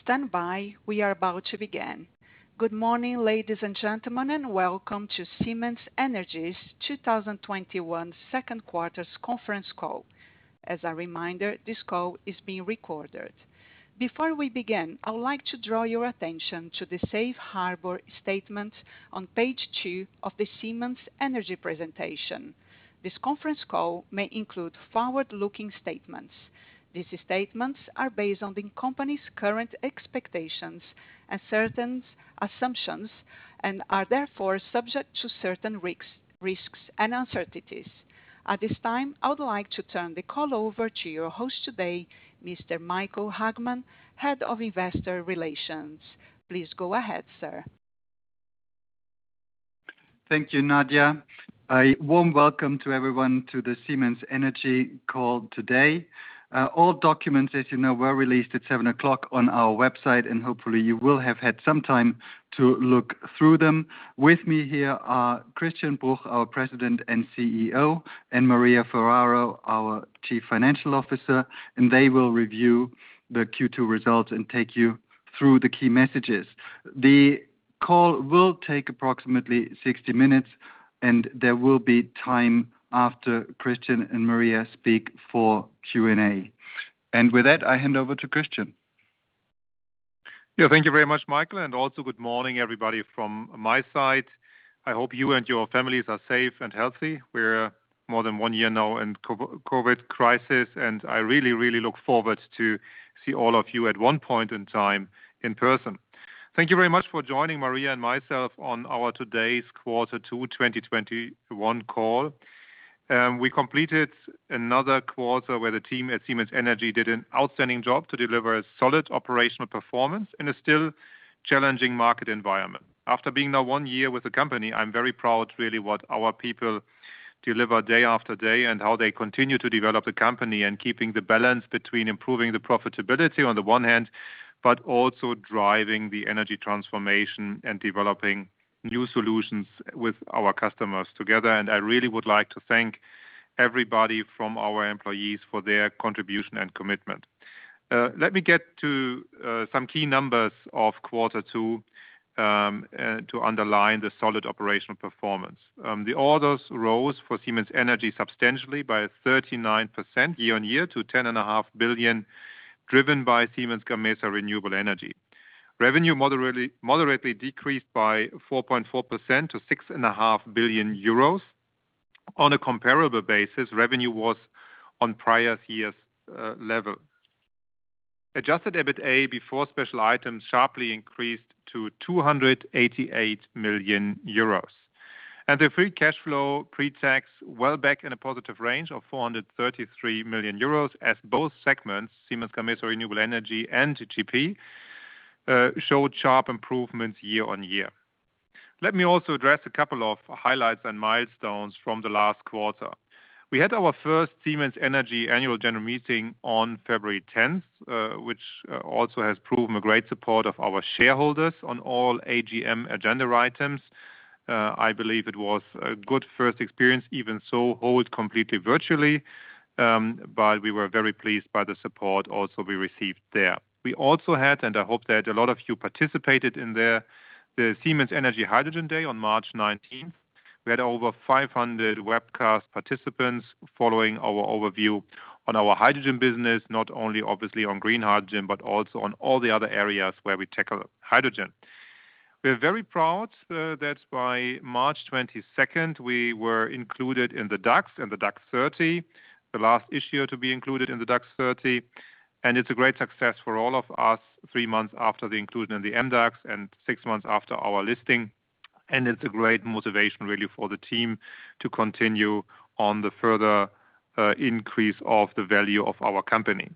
Standby. We are about to begin. Good morning, ladies and gentlemen, and welcome to Siemens Energy's 2021 second quarter conference call. As a reminder, this call is being recorded. Before we begin, I would like to draw your attention to the safe harbor statement on page two of the Siemens Energy presentation. This conference call may include forward-looking statements. These statements are based on the company's current expectations and certain assumptions, and are therefore subject to certain risks and uncertainties. At this time, I would like to turn the call over to your host today, Mr. Michael Hagmann, Head of Investor Relations. Please go ahead, sir. Thank you, Nadia. A warm welcome to everyone to the Siemens Energy call today. All documents, as you know, were released at 7:00 on our website. Hopefully, you will have had some time to look through them. With me here are Christian Bruch, our President and CEO, and Maria Ferraro, our Chief Financial Officer. They will review the Q2 results and take you through the key messages. The call will take approximately 60 minutes. There will be time after Christian and Maria speak for Q&A. With that, I hand over to Christian. Thank you very much, Michael. Also good morning, everybody, from my side. I hope you and your families are safe and healthy. We're more than one year now in COVID crisis. I really, really look forward to see all of you at one point in time in person. Thank you very much for joining Maria and myself on our today's quarter two 2021 call. We completed another quarter where the team at Siemens Energy did an outstanding job to deliver a solid operational performance in a still challenging market environment. After being now one year with the company, I'm very proud really what our people deliver day after day and how they continue to develop the company and keeping the balance between improving the profitability on the one hand, but also driving the energy transformation and developing new solutions with our customers together. I really would like to thank everybody from our employees for their contribution and commitment. Let me get to some key numbers of quarter two to underline the solid operational performance. The orders rose for Siemens Energy substantially by 39% year-on-year to 10.5 billion, driven by Siemens Gamesa Renewable Energy. Revenue moderately decreased by 4.4% to 6.5 billion euros. On a comparable basis, revenue was on prior year's level. Adjusted EBITDA before special items sharply increased to 288 million euros. The free cash flow pre-tax well back in a positive range of 433 million euros as both segments, Siemens Gamesa Renewable Energy and GP, showed sharp improvements year-on-year. Let me also address a couple of highlights and milestones from the last quarter. We had our first Siemens Energy Annual General Meeting on February 10th, which also has proven a great support of our shareholders on all AGM agenda items. I believe it was a good first experience, even so held completely virtually, but we were very pleased by the support also we received there. We also had, and I hope that a lot of you participated in the Siemens Energy Hydrogen Day on March 19th. We had over 500 webcast participants following our overview on our hydrogen business, not only obviously on green hydrogen, but also on all the other areas where we tackle hydrogen. We are very proud that by March 22nd, we were included in the DAX and the DAX 30, the last issuer to be included in the DAX 30. It's a great success for all of us three months after the inclusion in the MDAX and six months after our listing. It's a great motivation really for the team to continue on the further increase of the value of our company.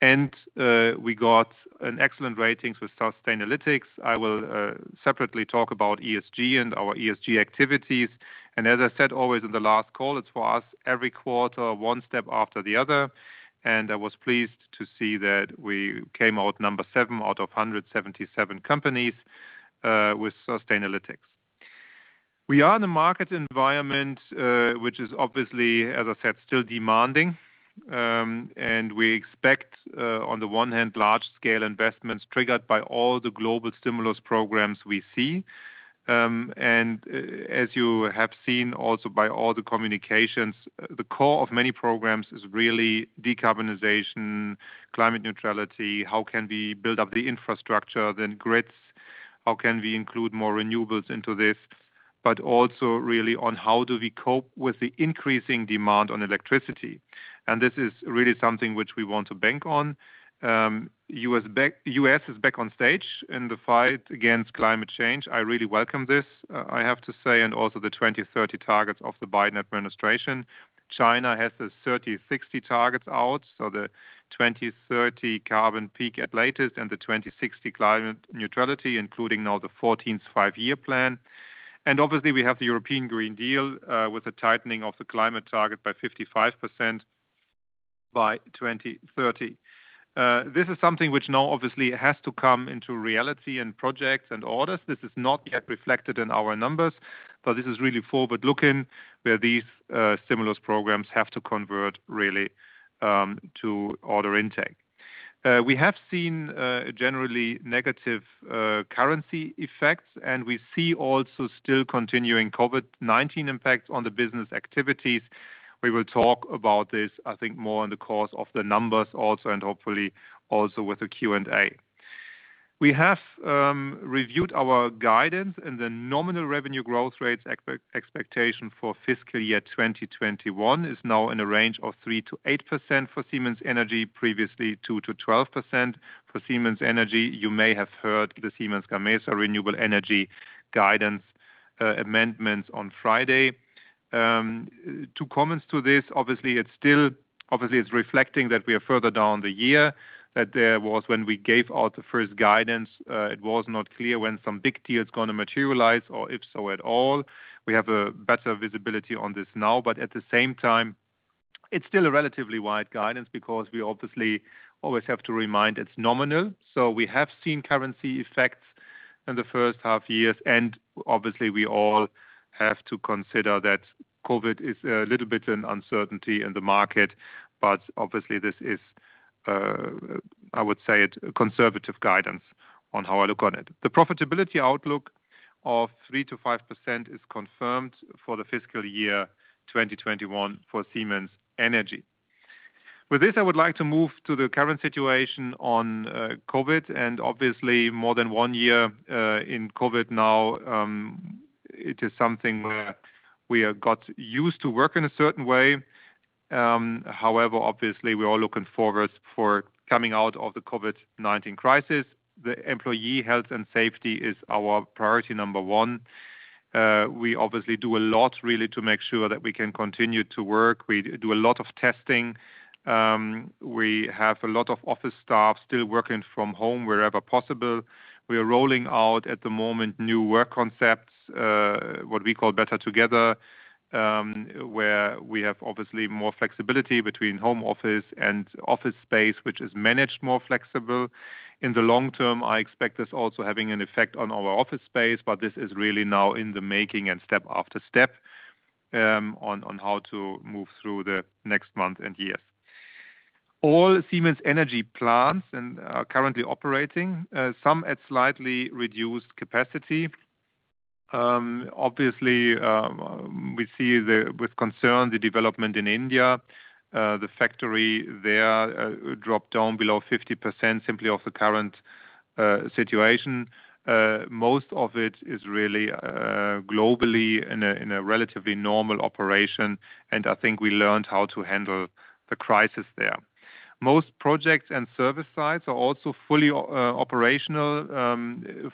We got an excellent ratings with Sustainalytics. I will separately talk about ESG and our ESG activities. As I said always in the last call, it's for us every quarter, one step after the other. I was pleased to see that we came out number seven out of 177 companies, with Sustainalytics. We are in a market environment, which is obviously, as I said, still demanding. We expect, on the one hand, large scale investments triggered by all the global stimulus programs we see. As you have seen also by all the communications, the core of many programs is really decarbonization, climate neutrality, how can we build up the infrastructure, then grids? How can we include more renewables into this? Also really on how do we cope with the increasing demand on electricity. This is really something which we want to bank on. U.S. is back on stage in the fight against climate change. I really welcome this, I have to say, and also the 2030 targets of the Biden administration. China has the 2030 targets out, so the 2030 carbon peak at latest and the 2060 climate neutrality, including now the 14th Five-Year Plan. Obviously, we have the European Green Deal, with a tightening of the climate target by 55% by 2030. This is something which now obviously has to come into reality and projects and orders. This is not yet reflected in our numbers, but this is really forward-looking, where these stimulus programs have to convert really to order intake. We have seen generally negative currency effects, and we see also still continuing COVID-19 impacts on the business activities. We will talk about this, I think, more in the course of the numbers also, and hopefully also with the Q&A. We have reviewed our guidance and the nominal revenue growth rates expectation for fiscal year 2021 is now in a range of 3%-8% for Siemens Energy, previously 2%-12% for Siemens Energy. You may have heard the Siemens Gamesa Renewable Energy guidance amendments on Friday. Two comments to this. It's reflecting that we are further down the year, that there was when we gave out the first guidance, it was not clear when some big deal is going to materialize or if so at all. We have a better visibility on this now, but at the same time, it's still a relatively wide guidance because we obviously always have to remind it's nominal. We have seen currency effects in the first half year, and obviously we all have to consider that COVID is a little bit an uncertainty in the market. Obviously this is, I would say, conservative guidance on how I look on it. The profitability outlook of 3%-5% is confirmed for the fiscal year 2021 for Siemens Energy. With this, I would like to move to the current situation on COVID and obviously more than one year in COVID now. It is something where we have got used to work in a certain way. Obviously we are all looking forward for coming out of the COVID-19 crisis. The employee health and safety is our priority number one. We obviously do a lot really to make sure that we can continue to work. We do a lot of testing. We have a lot of office staff still working from home wherever possible. We are rolling out, at the moment, new work concepts, what we call Better Together, where we have obviously more flexibility between home office and office space, which is managed more flexible. In the long term, I expect this also having an effect on our office space, this is really now in the making and step after step on how to move through the next month and years. All Siemens Energy plants are currently operating, some at slightly reduced capacity. Obviously, we see with concern the development in India. The factory there dropped down below 50% simply of the current situation. Most of it is really globally in a relatively normal operation, and I think we learned how to handle the crisis there. Most projects and service sites are also fully operational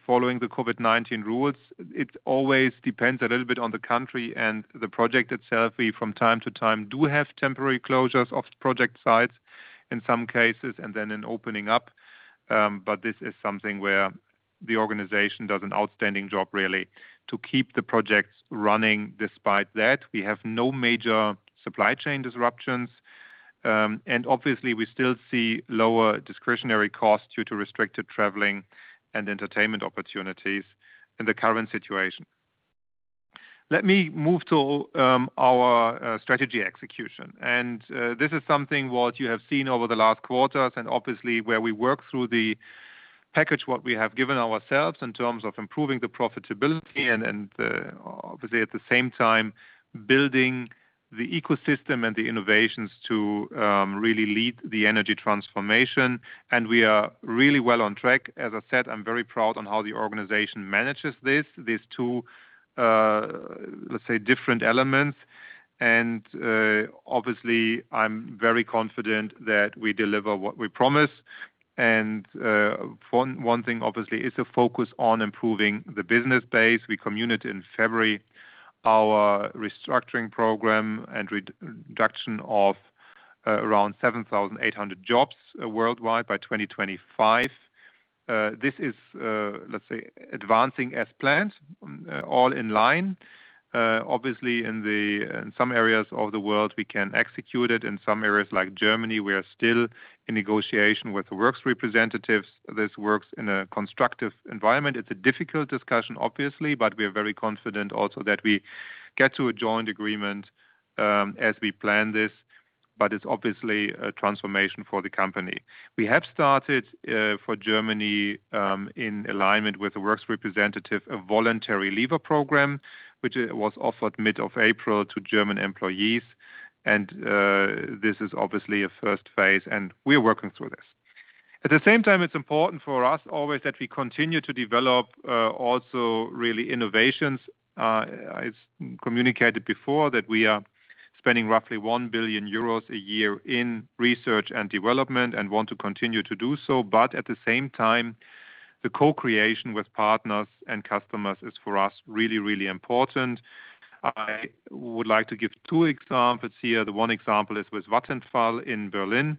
following the COVID-19 rules. It always depends a little bit on the country and the project itself. We, from time to time, do have temporary closures of project sites in some cases and then an opening up. This is something where the organization does an outstanding job really to keep the projects running despite that. We have no major supply chain disruptions. Obviously we still see lower discretionary costs due to restricted traveling and entertainment opportunities in the current situation. Let me move to our strategy execution. This is something what you have seen over the last quarters and obviously where we work through the package what we have given ourselves in terms of improving the profitability and obviously at the same time building the ecosystem and the innovations to really lead the energy transformation. We are really well on track. As I said, I'm very proud on how the organization manages these two, let's say, different elements. Obviously, I'm very confident that we deliver what we promise. One thing obviously is a focus on improving the business base. We communicated in February our restructuring program and reduction of around 7,800 jobs worldwide by 2025. This is, let's say, advancing as planned, all in line. Obviously, in some areas of the world, we can execute it. In some areas like Germany, we are still in negotiation with the works representatives. This works in a constructive environment. It's a difficult discussion, obviously. We are very confident also that we get to a joint agreement as we plan this. It's obviously a transformation for the company. We have started for Germany, in alignment with the works representative, a voluntary leaver program, which was offered mid of April to German employees. This is obviously a first phase. We're working through this. At the same time, it's important for us always that we continue to develop also really innovations. I communicated before that we are spending roughly 1 billion euros a year in research and development and want to continue to do so. At the same time, the co-creation with partners and customers is for us really, really important. I would like to give two examples here. The one example is with Vattenfall in Berlin.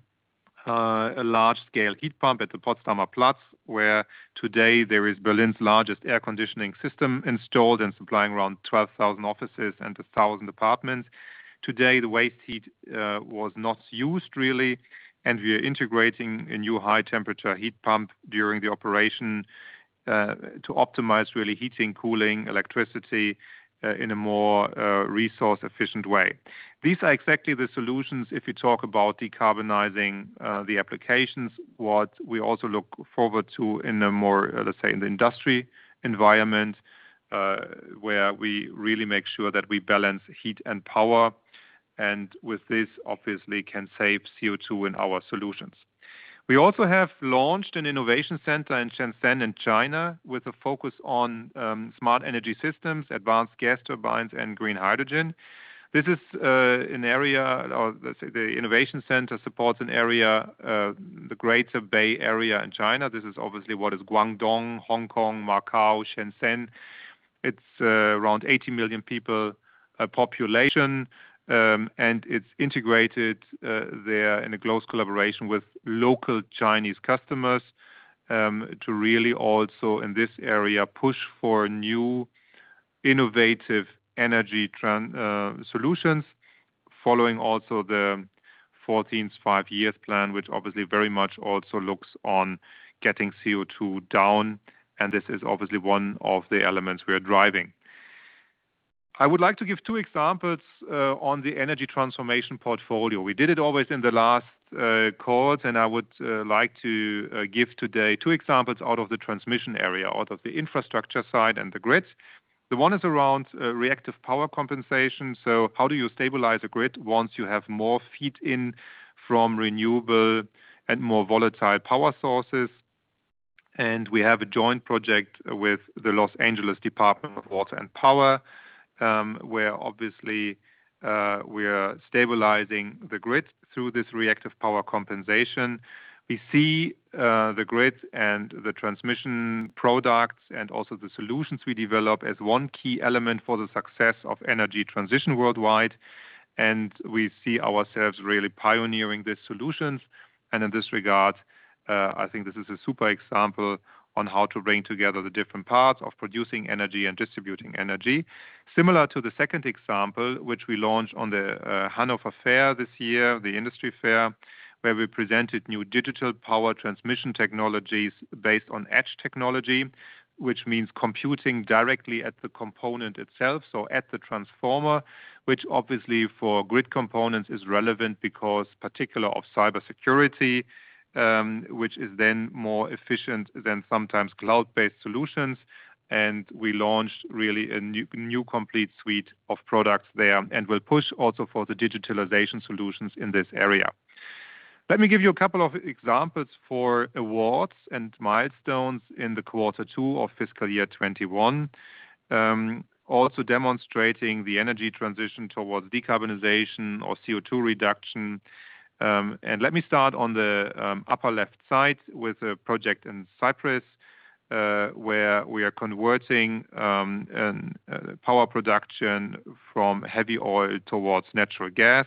A large scale heat pump at the Potsdamer Platz, where today there is Berlin's largest air conditioning system installed and supplying around 12,000 offices and 1,000 apartments. Today, the waste heat was not used really, and we are integrating a new high temperature heat pump during the operation to optimize really heating, cooling, electricity in a more resource-efficient way. These are exactly the solutions, if you talk about decarbonizing the applications, what we also look forward to in the more, let's say, in the industry environment, where we really make sure that we balance heat and power, and with this, obviously can save CO2 in our solutions. We also have launched an innovation center in Shenzhen in China with a focus on smart energy systems, advanced gas turbines, and green hydrogen. The innovation center supports the Greater Bay Area in China. This is obviously what is Guangdong, Hong Kong, Macau, Shenzhen. It's around 80 million people population, and it's integrated there in a close collaboration with local Chinese customers, to really also in this area, push for new innovative energy solutions following also the 14th Five-Year Plan, which obviously very much also looks on getting CO2 down, and this is obviously one of the elements we are driving. I would like to give two examples on the energy transformation portfolio. We did it always in the last calls, and I would like to give today two examples out of the transmission area, out of the infrastructure side and the grids. The one is around reactive power compensation. How do you stabilize a grid once you have more feed-in from renewable and more volatile power sources? We have a joint project with the Los Angeles Department of Water and Power, where obviously, we are stabilizing the grid through this reactive power compensation. We see the grid and the transmission products and also the solutions we develop as one key element for the success of energy transition worldwide. We see ourselves really pioneering these solutions. In this regard, I think this is a super example on how to bring together the different parts of producing energy and distributing energy. Similar to the second example, which we launched on the Hannover Fair this year, the industry fair, where we presented new digital power transmission technologies based on edge technology, which means computing directly at the component itself, so at the transformer. Which obviously for grid components is relevant because particular of cybersecurity, which is then more efficient than sometimes cloud-based solutions. We launched really a new complete suite of products there and will push also for the digitalization solutions in this area. Let me give you a couple of examples for awards and milestones in the quarter two of fiscal year 2021. Also demonstrating the energy transition towards decarbonization or CO2 reduction. Let me start on the upper left side with a project in Cyprus, where we are converting power production from heavy oil towards natural gas.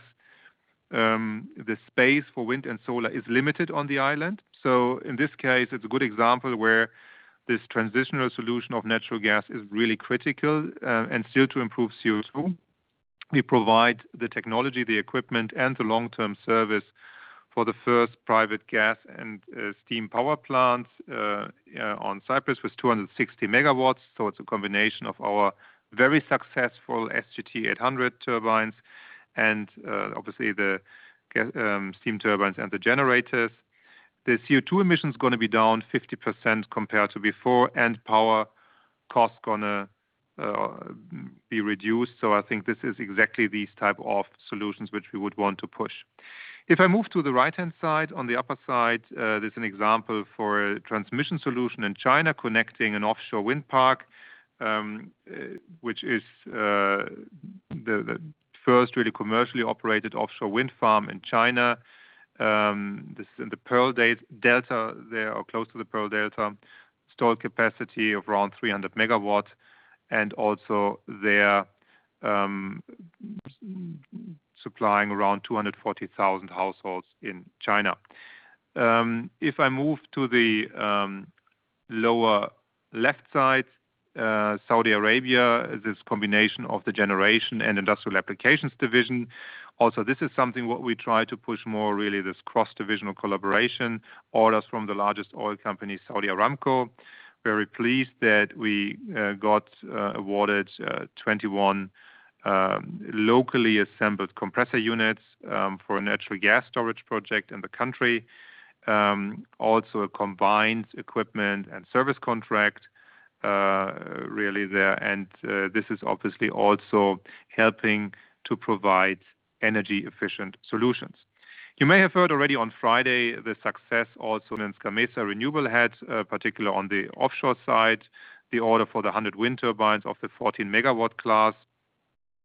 The space for wind and solar is limited on the island, in this case, it's a good example where this transitional solution of natural gas is really critical and still to improve CO2. We provide the technology, the equipment, and the long-term service for the first private gas and steam power plants on Cyprus with 260 MW. It's a combination of our very successful SGT-800 turbines and, obviously the steam turbines and the generators. The CO2 emissions going to be down 50% compared to before, and power cost going to be reduced. I think this is exactly these type of solutions which we would want to push. If I move to the right-hand side, on the upper side, there's an example for a transmission solution in China connecting an offshore wind park, which is the first really commercially operated offshore wind farm in China. This is in the Pearl Delta there, or close to the Pearl Delta. Storage capacity of around 300 MW, and also they're supplying around 240,000 households in China. If I move to the lower left side, Saudi Arabia, this combination of the Generation and Industrial Applications Division. This is something what we try to push more really, this cross-divisional collaboration. Orders from the largest oil company, Saudi Aramco. Very pleased that we got awarded 21 locally assembled compressor units for a natural gas storage project in the country. A combined equipment and service contract really there. This is obviously also helping to provide energy-efficient solutions. You may have heard already on Friday the success also in Siemens Gamesa Renewable Energy had, particular on the offshore side, the order for the 100 wind turbines of the 14 MW class,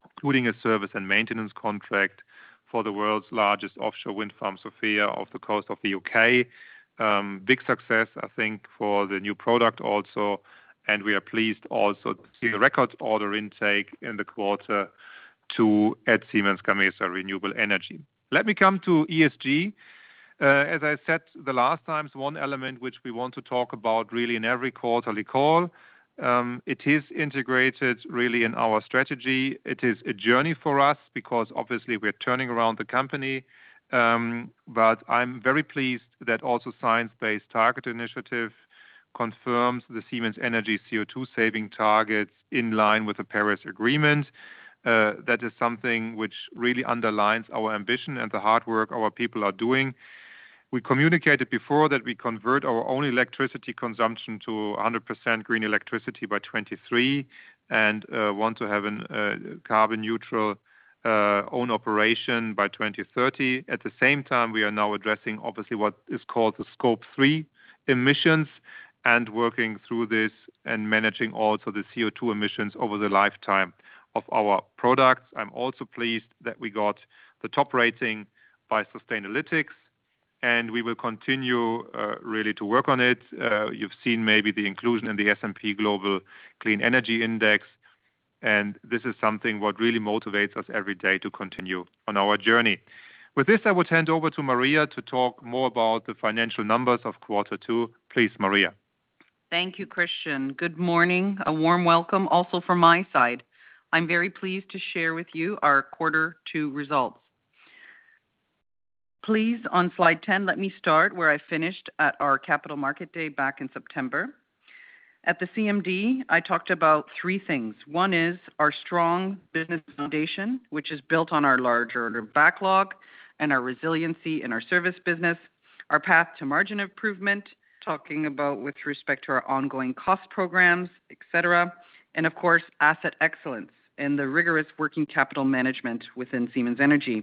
including a service and maintenance contract for the world's largest offshore wind farm, Sofia, off the coast of the U.K. Big success, I think, for the new product also, we are pleased also to see a record order intake in the quarter two at Siemens Gamesa Renewable Energy. Let me come to ESG. As I said the last time, it's one element which we want to talk about really in every quarterly call. It is integrated really in our strategy. It is a journey for us because obviously we're turning around the company. I'm very pleased that also Science Based Targets initiative confirms the Siemens Energy CO2 saving targets in line with the Paris Agreement. That is something which really underlines our ambition and the hard work our people are doing. We communicated before that we convert our own electricity consumption to 100% green electricity by 2030, and want to have a carbon neutral own operation by 2030. At the same time, we are now addressing obviously what is called the Scope 3 emissions and working through this and managing also the CO2 emissions over the lifetime of our products. I'm also pleased that we got the top rating by Sustainalytics, and we will continue really to work on it. You've seen maybe the inclusion in the S&P Global Clean Energy Index, and this is something what really motivates us every day to continue on our journey. With this, I will hand over to Maria to talk more about the financial numbers of quarter two. Please, Maria. Thank you, Christian. Good morning. A warm welcome also from my side. I'm very pleased to share with you our quarter two results. Please, on slide 10, let me start where I finished at our Capital Market Day back in September. At the CMD, I talked about three things. One is our strong business foundation, which is built on our large order backlog and our resiliency in our service business, our path to margin improvement, talking about with respect to our ongoing cost programs, et cetera, and of course, asset excellence and the rigorous working capital management within Siemens Energy.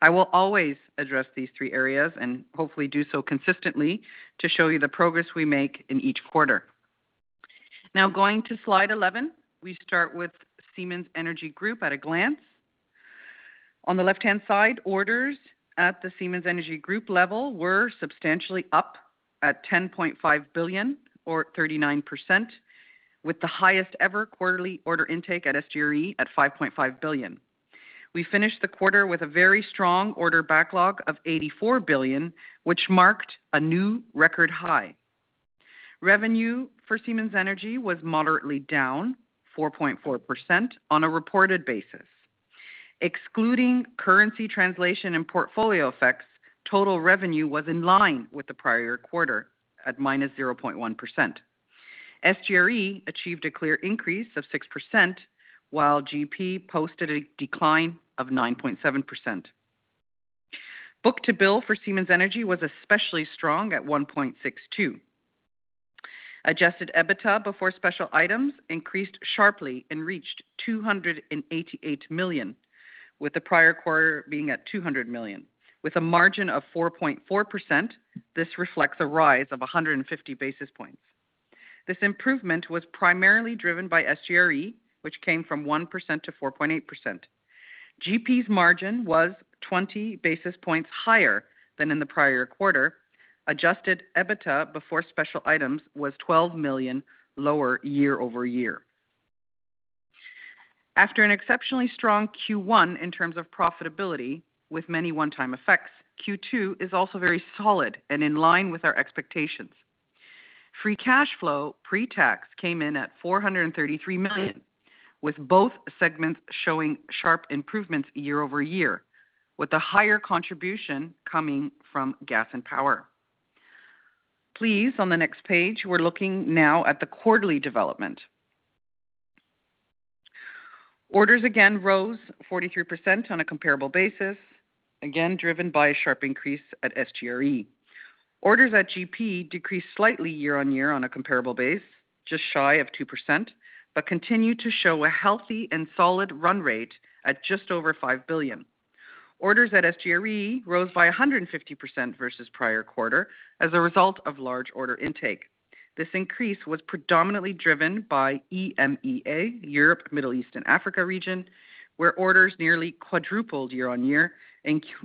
I will always address these three areas and hopefully do so consistently to show you the progress we make in each quarter. Going to slide 11, we start with Siemens Energy Group at a glance. On the left-hand side, orders at the Siemens Energy Group level were substantially up at 10.5 billion or 39%, with the highest-ever quarterly order intake at SGRE at 5.5 billion. We finished the quarter with a very strong order backlog of 84 billion, which marked a new record high. Revenue for Siemens Energy was moderately down 4.4% on a reported basis. Excluding currency translation and portfolio effects, total revenue was in line with the prior quarter at -0.1%. SGRE achieved a clear increase of 6%, while GP posted a decline of 9.7%. Book-to-bill for Siemens Energy was especially strong at 1.62. Adjusted EBITDA before special items increased sharply and reached 288 million, with the prior quarter being at 200 million. With a margin of 4.4%, this reflects a rise of 150 basis points. This improvement was primarily driven by SGRE, which came from 1% to 4.8%. GP's margin was 20 basis points higher than in the prior quarter. Adjusted EBITDA before special items was 12 million lower year-over-year. After an exceptionally strong Q1 in terms of profitability with many one-time effects, Q2 is also very solid and in line with our expectations. Free cash flow pre-tax came in at 433 million, with both segments showing sharp improvements year-over-year, with a higher contribution coming from Gas and Power. Please, on the next page, we're looking now at the quarterly development. Orders again rose 43% on a comparable basis, driven by a sharp increase at SGRE. Orders at GP decreased slightly year-on-year on a comparable base, just shy of 2%, but continued to show a healthy and solid run rate at just over 5 billion. Orders at SGRE rose by 150% versus prior quarter as a result of large order intake. This increase was predominantly driven by EMEA, Europe, Middle East, and Africa region, where orders nearly quadrupled year-over-year,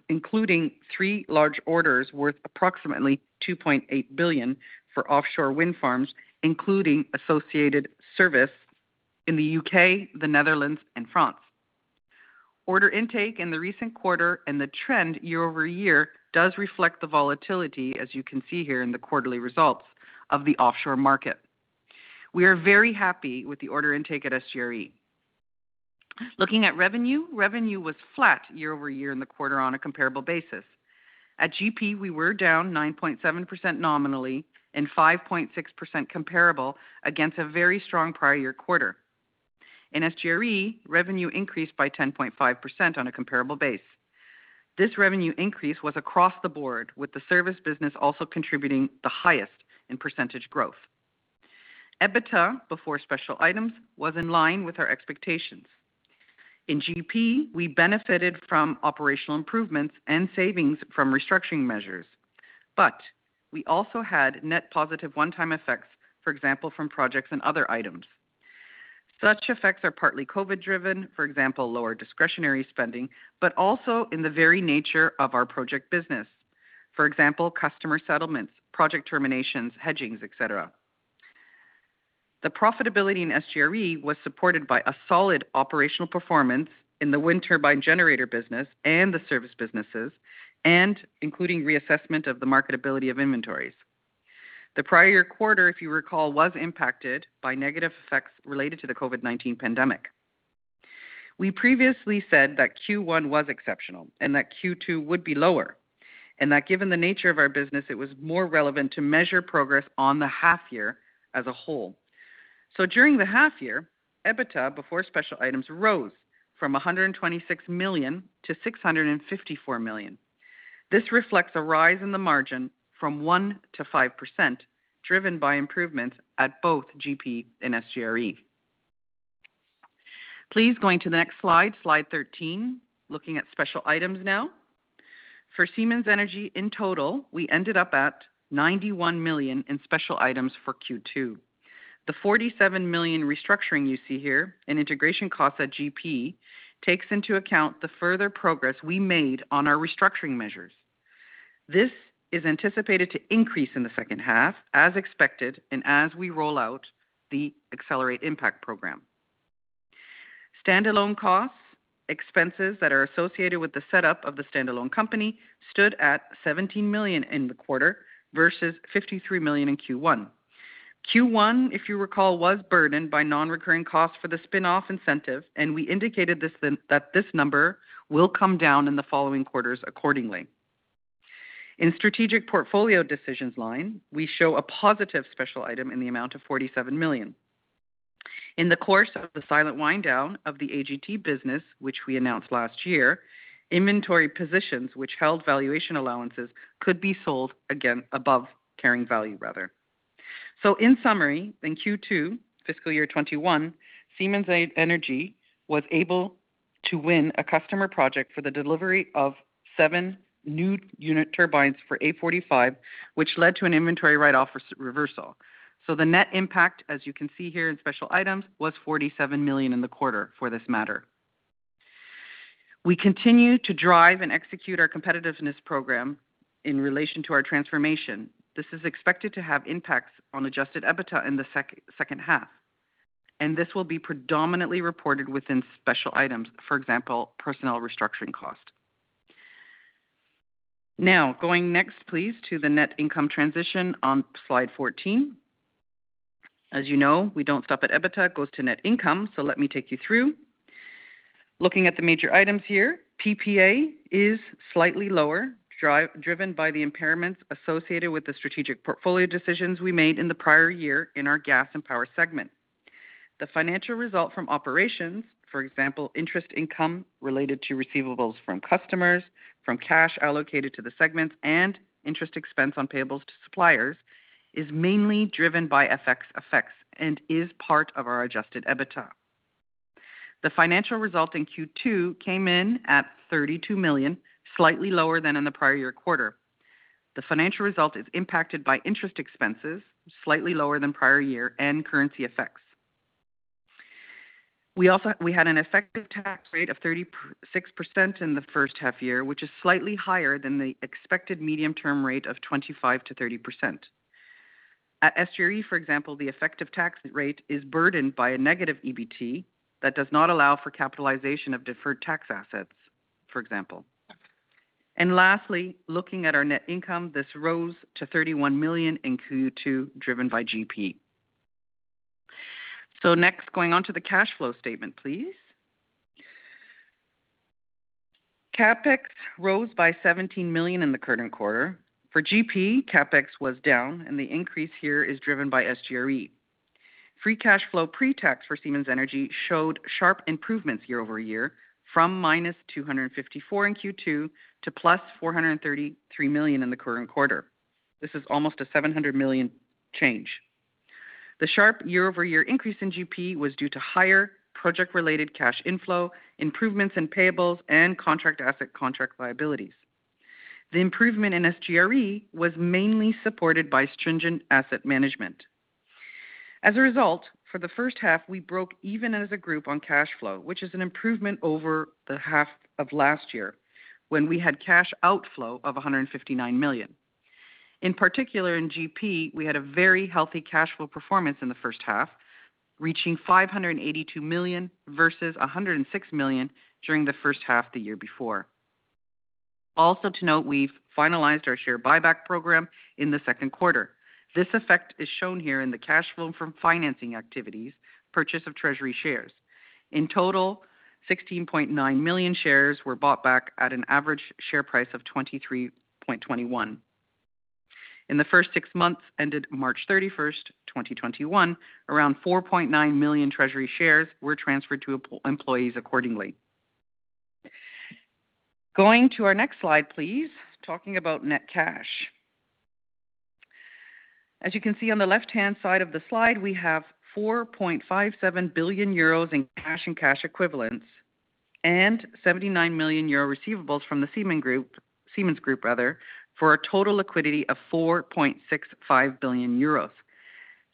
including three large orders worth approximately 2.8 billion for offshore wind farms, including associated service in the U.K., the Netherlands, and France. Order intake in the recent quarter and the trend year-over-year does reflect the volatility, as you can see here in the quarterly results of the offshore market. We are very happy with the order intake at SGRE. Looking at revenue was flat year-over-year in the quarter on a comparable basis. At GP, we were down 9.7% nominally and 5.6% comparable against a very strong prior year quarter. In SGRE, revenue increased by 10.5% on a comparable base. This revenue increase was across the board, with the service business also contributing the highest in percentage growth. EBITDA, before special items, was in line with our expectations. In GP, we benefited from operational improvements and savings from restructuring measures, but we also had net positive one-time effects, for example, from projects and other items. Such effects are partly COVID-driven, for example, lower discretionary spending, but also in the very nature of our project business. For example, customer settlements, project terminations, hedgings, et cetera. The profitability in SGRE was supported by a solid operational performance in the wind turbine generator business and the service businesses, and including reassessment of the marketability of inventories. The prior quarter, if you recall, was impacted by negative effects related to the COVID-19 pandemic. We previously said that Q1 was exceptional and that Q2 would be lower, and that given the nature of our business, it was more relevant to measure progress on the half-year as a whole. During the half-year, EBITDA, before special items, rose from 126 million to 654 million. This reflects a rise in the margin from 1% to 5%, driven by improvements at both GP and SGRE. Please go into the next slide 13, looking at special items now. For Siemens Energy in total, we ended up at 91 million in special items for Q2. The 47 million restructuring you see here in integration costs at GP takes into account the further progress we made on our restructuring measures. This is anticipated to increase in the second half, as expected, and as we roll out the Accelerate Impact program. Stand-alone costs, expenses that are associated with the setup of the stand-alone company, stood at 17 million in the quarter versus 53 million in Q1. Q1, if you recall, was burdened by non-recurring costs for the spin-off incentive, and we indicated that this number will come down in the following quarters accordingly. In strategic portfolio decisions line, we show a positive special item in the amount of 47 million. In the course of the silent wind-down of the AGT business, which we announced last year, inventory positions which held valuation allowances could be sold above carrying value. In summary, in Q2 fiscal year 2021, Siemens Energy was able to win a customer project for the delivery of 7 new unit turbines for A45, which led to an inventory write-off reversal. The net impact, as you can see here in special items, was 47 million in the quarter for this matter. We continue to drive and execute our competitiveness program in relation to our transformation. This is expected to have impacts on adjusted EBITDA in the second half, and this will be predominantly reported within special items, for example, personnel restructuring cost. Now, going next please, to the net income transition on slide 14. As you know, we don't stop at EBITDA. It goes to net income. Let me take you through. Looking at the major items here, PPA is slightly lower, driven by the impairments associated with the strategic portfolio decisions we made in the prior year in our Gas and Power segment. The financial result from operations, for example, interest income related to receivables from customers, from cash allocated to the segments, and interest expense on payables to suppliers, is mainly driven by FX effects and is part of our adjusted EBITDA. The financial result in Q2 came in at 32 million, slightly lower than in the prior year quarter. The financial result is impacted by interest expenses, slightly lower than prior year, and currency effects. We had an effective tax rate of 36% in the first half-year, which is slightly higher than the expected medium-term rate of 25%-30%. At SGRE, for example, the effective tax rate is burdened by a negative EBT that does not allow for capitalization of deferred tax assets, for example. Lastly, looking at our net income, this rose to 31 million in Q2, driven by GP. Next, going on to the cash flow statement, please. CapEx rose by 17 million in the current quarter. For GP, CapEx was down, and the increase here is driven by SGRE. Free cash flow pre-tax for Siemens Energy showed sharp improvements year-over-year, from -254 million in Q2 to +433 million in the current quarter. This is almost a 700 million change. The sharp year-over-year increase in GP was due to higher project-related cash inflow, improvements in payables, and contract asset, contract liabilities. The improvement in SGRE was mainly supported by stringent asset management. As a result, for the first half, we broke even as a group on cash flow, which is an improvement over the half of last year when we had cash outflow of 159 million. In particular, in GP, we had a very healthy cash flow performance in the first half, reaching 582 million versus 106 million during the first half the year before. Also to note, we've finalized our share buyback program in the second quarter. This effect is shown here in the cash flow from financing activities, purchase of treasury shares. In total, 16.9 million shares were bought back at an average share price of 23.21. In the first six months ended March 31st, 2021, around 4.9 million treasury shares were transferred to employees accordingly. Going to our next slide, please. Talking about net cash. As you can see on the left-hand side of the slide, we have 4.57 billion euros in cash and cash equivalents and 79 million euro receivables from the Siemens Group for a total liquidity of 4.65 billion euros.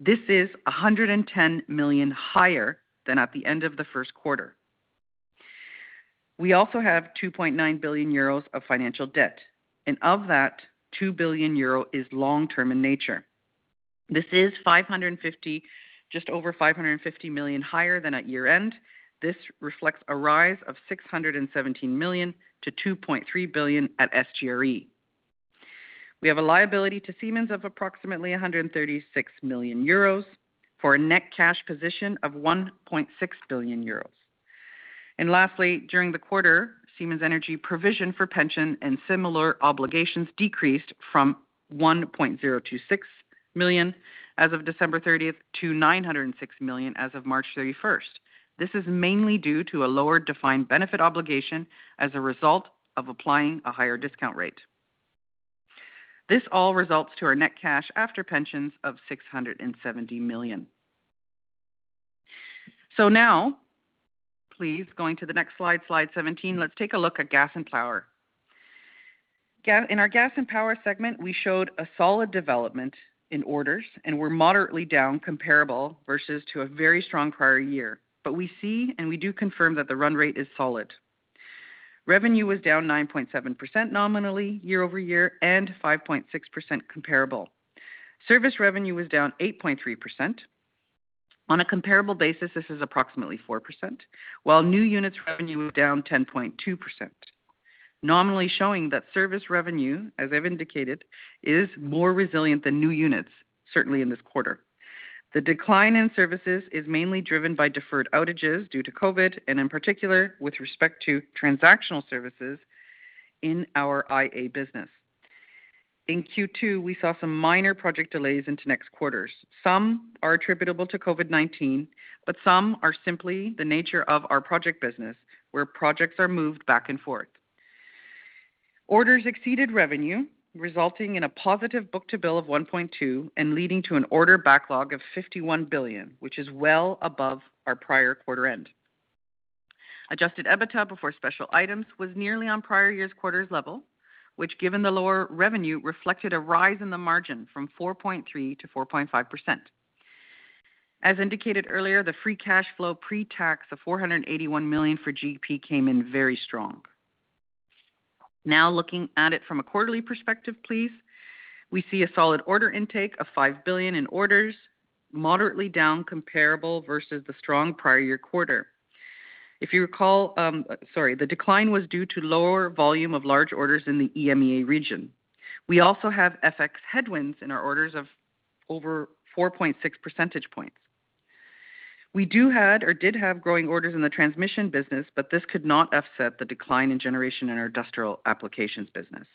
This is 110 million higher than at the end of the first quarter. We also have 2.9 billion euros of financial debt, and of that, 2 billion euro is long-term in nature. This is just over 550 million higher than at year-end. This reflects a rise of 617 million to 2.3 billion at SGRE. We have a liability to Siemens of approximately 136 million euros for a net cash position of 1.6 billion euros. Lastly, during the quarter, Siemens Energy provision for pension and similar obligations decreased from 1,026 million as of December 30 to 906 million as of March 31. This is mainly due to a lower defined benefit obligation as a result of applying a higher discount rate. This all results to our net cash after pensions of 670 million. Now, please, going to the next slide 17. Let's take a look at Gas and Power. In our Gas and Power segment, we showed a solid development in orders, we're moderately down comparable versus a very strong prior year. We see and we do confirm that the run rate is solid. Revenue was down 9.7% nominally year-over-year and 5.6% comparable. Service revenue was down 8.3%. On a comparable basis, this is approximately 4%, while new units revenue was down 10.2%. Nominally showing that service revenue, as I've indicated, is more resilient than new units, certainly in this quarter. The decline in services is mainly driven by deferred outages due to COVID, and in particular, with respect to transactional services in our IA business. In Q2, we saw some minor project delays into next quarters. Some are attributable to COVID-19, but some are simply the nature of our project business, where projects are moved back and forth. Orders exceeded revenue, resulting in a positive book-to-bill of 1.2 and leading to an order backlog of 51 billion, which is well above our prior quarter end. Adjusted EBITDA before special items was nearly on prior year's quarters level, which, given the lower revenue, reflected a rise in the margin from 4.3% to 4.5%. As indicated earlier, the free cash flow pre-tax of 481 million for GP came in very strong. Looking at it from a quarterly perspective, please. We see a solid order intake of 5 billion in orders, moderately down comparable versus the strong prior year quarter. The decline was due to lower volume of large orders in the EMEA region. We also have FX headwinds in our orders of over 4.6 percentage points. We do have or did have growing orders in the transmission business, but this could not offset the decline in generation in our Industrial Applications business.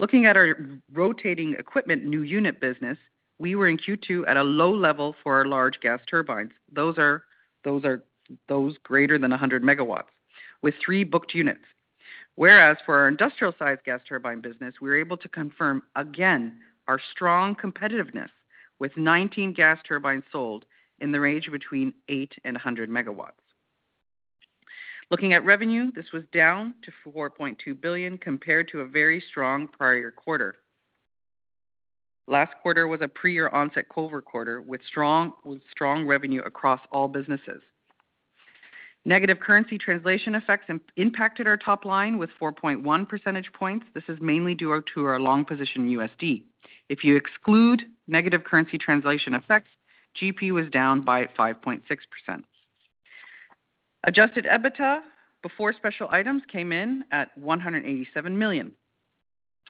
Looking at our rotating equipment new unit business, we were in Q2 at a low level for our large gas turbines. Those greater than 100 MW with three booked units. For our industrial-sized gas turbine business, we were able to confirm again our strong competitiveness with 19 gas turbines sold in the range between 8 MW and 100 MW. Looking at revenue, this was down to 4.2 billion compared to a very strong prior year quarter. Last quarter was a prior-year pre-COVID quarter with strong revenue across all businesses. Negative currency translation effects impacted our top line with 4.1 percentage points. This is mainly due to our long position in USD. If you exclude negative currency translation effects, GP was down by 5.6%. Adjusted EBITDA before special items came in at 187 million.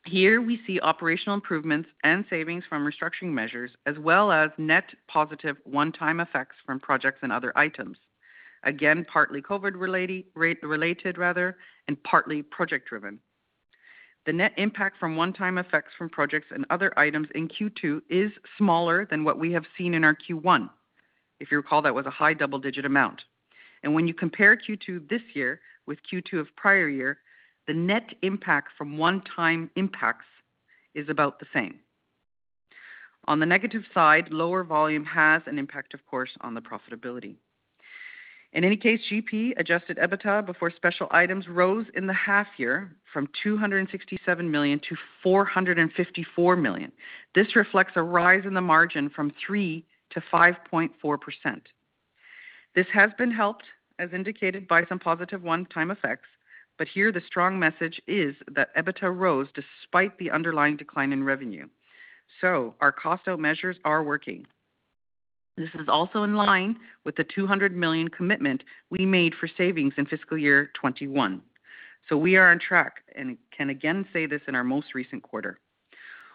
Here we see operational improvements and savings from restructuring measures, as well as net positive one-time effects from projects and other items. Again, partly COVID-related, and partly project-driven. The net impact from one-time effects from projects and other items in Q2 is smaller than what we have seen in our Q1. If you recall, that was a high double-digit amount. When you compare Q2 this year with Q2 of prior year, the net impact from one-time impacts is about the same. On the negative side, lower volume has an impact, of course, on the profitability. In any case, GP adjusted EBITDA before special items rose in the half year from 267 million to 454 million. This reflects a rise in the margin from 3% to 5.4%. This has been helped, as indicated, by some positive one-time effects, but here the strong message is that EBITDA rose despite the underlying decline in revenue. Our cost out measures are working. This is also in line with the 200 million commitment we made for savings in fiscal year 2021. We are on track and can again say this in our most recent quarter.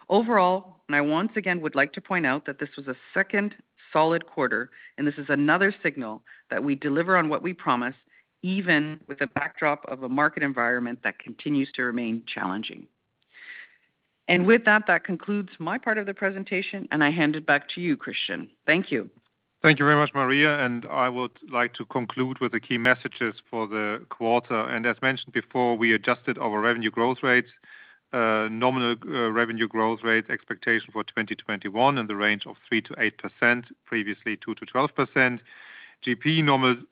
Overall, I once again would like to point out that this was a second solid quarter. This is another signal that we deliver on what we promise, even with the backdrop of a market environment that continues to remain challenging. With that concludes my part of the presentation. I hand it back to you, Christian. Thank you. Thank you very much, Maria. I would like to conclude with the key messages for the quarter. As mentioned before, we adjusted our revenue growth rates, nominal revenue growth rate expectation for 2021 in the range of 3%-8%, previously 2%-12%. GP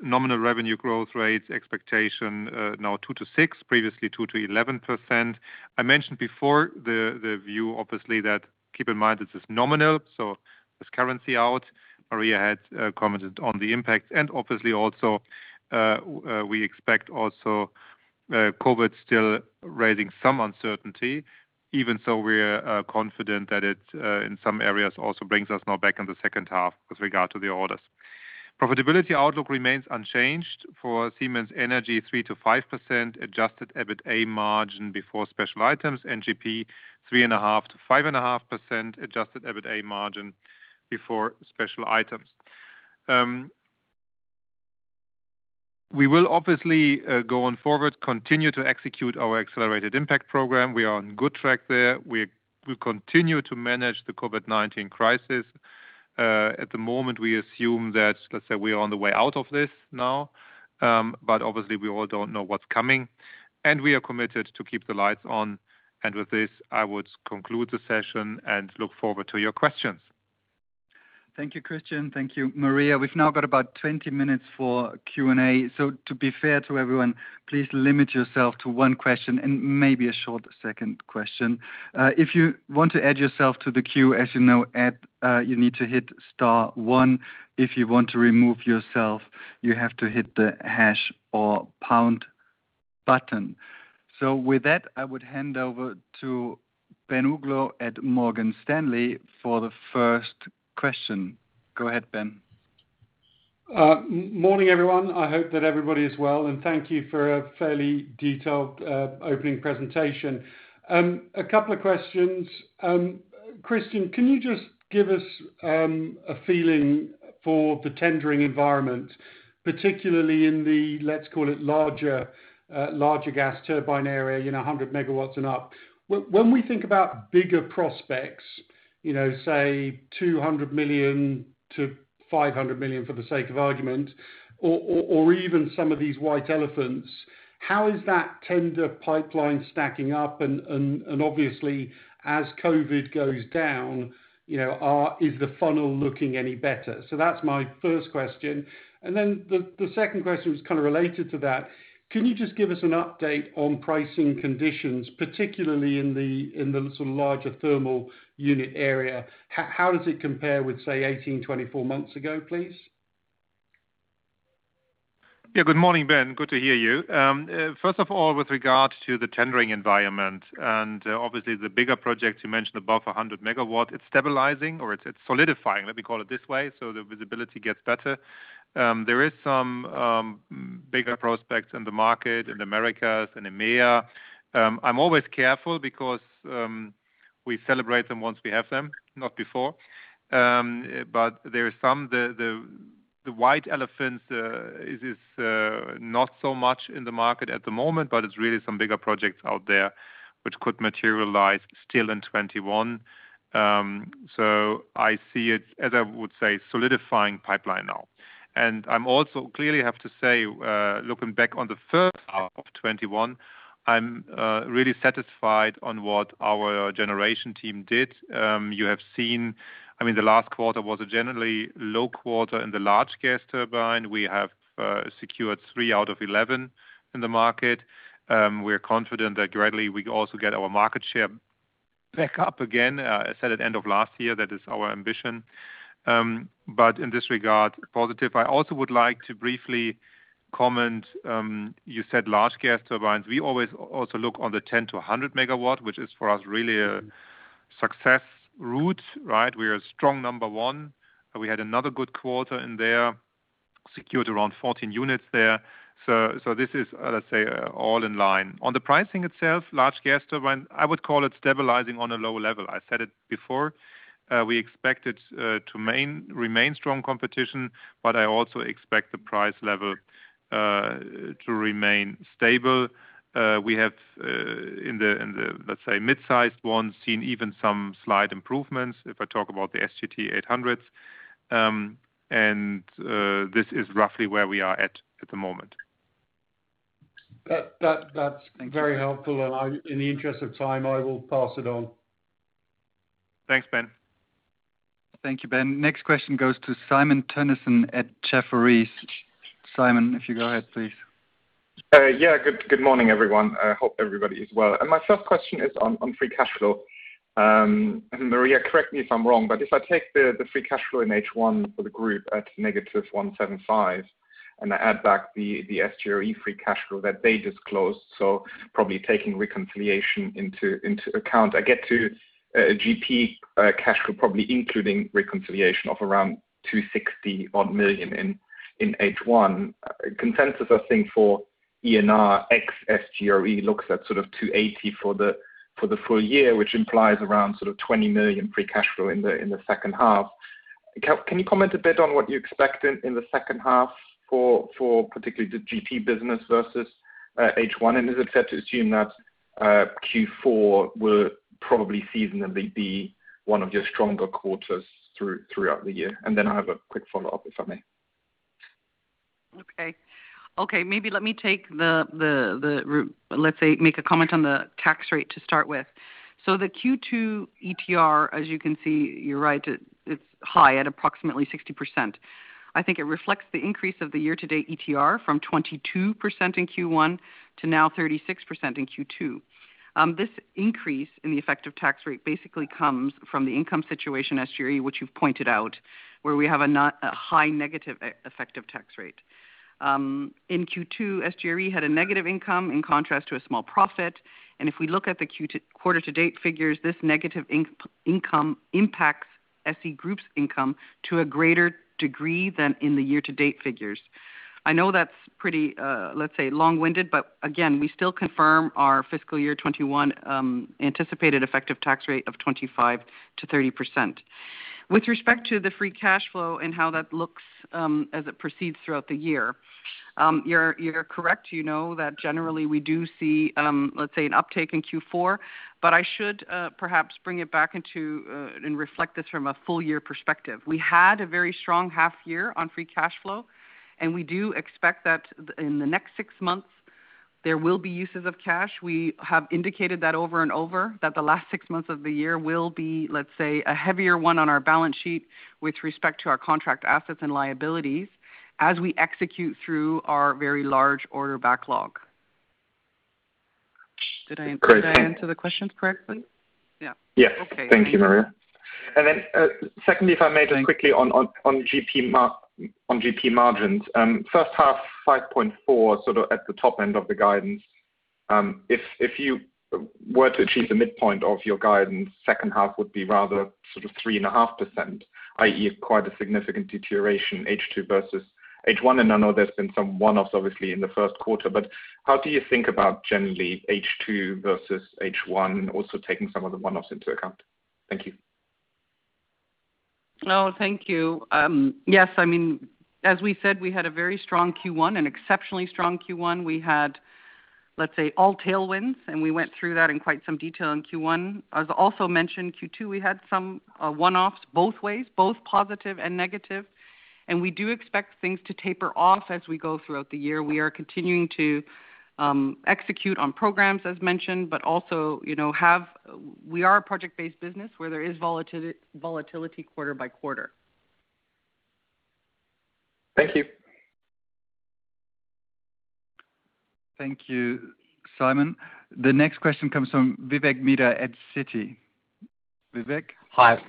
nominal revenue growth rates expectation now 2%-6%, previously 2%-11%. I mentioned before the view, obviously that keep in mind, this is nominal, so with currency out, Maria had commented on the impact. Obviously also, we expect also COVID still raising some uncertainty. Even so, we're confident that it, in some areas, also brings us now back in the second half with regard to the orders. Profitability outlook remains unchanged for Siemens Energy, 3%-5% adjusted EBITA margin before special items. In GP, 3.5%-5.5% adjusted EBITA margin before special items. We will obviously, going forward, continue to execute our Accelerate Impact program. We are on good track there. We continue to manage the COVID-19 crisis. At the moment, we assume that we are on the way out of this now, but obviously we all don't know what's coming, and we are committed to keep the lights on. With this, I would conclude the session and look forward to your questions. Thank you, Christian. Thank you, Maria. We've now got about 20 minutes for Q&A, so to be fair to everyone, please limit yourself to one question and maybe a short second question. If you want to add yourself to the queue, as you know, you need to hit star one. If you want to remove yourself, you have to hit the hash or pound button. With that, I would hand over to Ben Uglow at Morgan Stanley for the first question. Go ahead, Ben. Morning, everyone. I hope that everybody is well. Thank you for a fairly detailed opening presentation. A couple of questions. Christian, can you just give us a feeling for the tendering environment, particularly in the, let's call it larger gas turbine area, 100 MW and up. When we think about bigger prospects, say 200 million-500 million for the sake of argument, or even some of these white elephants, how is that tender pipeline stacking up? Obviously, as COVID goes down, is the funnel looking any better? That's my first question. The second question was kind of related to that. Can you just give us an update on pricing conditions, particularly in the larger thermal unit area? How does it compare with, say, 18, 24 months ago, please? Good morning, Ben. Good to hear you. First of all, with regards to the tendering environment, obviously the bigger projects you mentioned above 100 MW, it's stabilizing or it's solidifying, let me call it this way. The visibility gets better. There is some bigger prospects in the market in Americas and EMEA. I'm always careful because we celebrate them once we have them, not before. There is some. The white elephants is not so much in the market at the moment, it's really some bigger projects out there which could materialize still in 2021. I see it, as I would say, solidifying pipeline now. I also clearly have to say, looking back on the first half of 2021, I'm really satisfied on what our generation team did. You have seen, the last quarter was a generally low quarter in the large gas turbine. We have secured three out of 11 in the market. We're confident that gradually we also get our market share back up again. I said at the end of last year, that is our ambition. In this regard, positive. I also would like to briefly comment. You said large gas turbines. We always also look on the 10 MW-100 MW, which is, for us, really a success route, right? We are a strong number one. We had another good quarter in there, secured around 14 units there. This is, let's say, all in line. On the pricing itself, large gas turbine, I would call it stabilizing on a lower level. I said it before. We expect it to remain strong competition, I also expect the price level to remain stable. We have, in the, let's say, mid-sized ones, seen even some slight improvements, if I talk about the SGT-800s. This is roughly where we are at the moment. That's very helpful. In the interest of time, I will pass it on. Thanks, Ben. Thank you, Ben. Next question goes to Simon Toennessen at Jefferies. Simon, if you go ahead, please. Yeah. Good morning, everyone. I hope everybody is well. Maria, correct me if I'm wrong, but if I take the free cash flow in H1 for the group at -175 and I add back the SGRE free cash flow that they disclosed, so probably taking reconciliation into account, I get to GP cash flow, probably including reconciliation of around 260 odd million in H1. Consensus, I think, for SGRE looks at sort of 280 for the full year, which implies around 20 million free cash flow in the second half. Can you comment a bit on what you expect in the second half for particularly the GP business versus H1? Is it fair to assume that Q4 will probably seasonally be one of your stronger quarters throughout the year? I have a quick follow-up, if I may. Okay. Maybe let me take the, make a comment on the tax rate to start with. The Q2 ETR, as you can see, you're right, it's high at approximately 60%. I think it reflects the increase of the year-to-date ETR from 22% in Q1 to now 36% in Q2. This increase in the effective tax rate basically comes from the income situation, SGRE, which you've pointed out, where we have a high negative effective tax rate. In Q2, SGRE had a negative income in contrast to a small profit. If we look at the quarter-to-date figures, this negative income impacts SE Group's income to a greater degree than in the year-to-date figures. I know that's pretty, long-winded, but again, we still confirm our fiscal year 2021 anticipated effective tax rate of 25%-30%. With respect to the free cash flow and how that looks as it proceeds throughout the year, you're correct that generally we do see, let's say, an uptake in Q4. I should perhaps bring it back and reflect this from a full year perspective. We had a very strong half year on free cash flow, and we do expect that in the next six months, there will be uses of cash. We have indicated that over and over, that the last six months of the year will be, let's say, a heavier one on our balance sheet with respect to our contract assets and liabilities as we execute through our very large order backlog. Did I answer the questions correctly? Yes. Okay. Thank you, Maria. Then, secondly, if I may, just quickly on GP margins. First half, 5.4%, sort of at the top end of the guidance. If you were to achieve the midpoint of your guidance, the second half would be rather 3.5%, i.e., quite a significant deterioration, H2 versus H1. I know there's been some one-offs, obviously, in the first quarter, but how do you think about generally H2 versus H1, also taking some of the one-offs into account? Thank you. No, thank you. Yes, as we said, we had a very strong Q1, an exceptionally strong Q1. We had, let's say, all tailwinds. We went through that in quite some detail in Q1. As also mentioned, Q2, we had some one-offs, both ways, both positive and negative. We do expect things to taper off as we go throughout the year. We are continuing to execute on programs, as mentioned. Also, we are a project-based business where there is volatility quarter by quarter. Thank you. Thank you, Simon. The next question comes from Vivek Midha at Citi. Vivek? Hi.